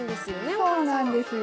そうなんですよ。